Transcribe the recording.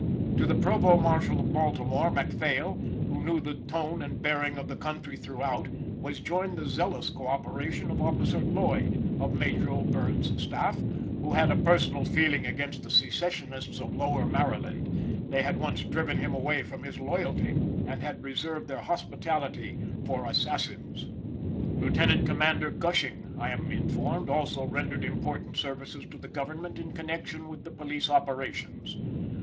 To the provost marshal of Baltimore, MacPhail, who knew the tone and bearing of the country throughout, was joined the zealous co operation of Officer Lloyd, of Major O'Bierne's staff, who had a personal feeling against the secessionists of lower Maryland; they had once driven him away for his loyalty, and had reserved their hospitality for assassins. Lieutenant Commander Gushing, I am informed, also rendered important services to the government in connection with the police operations.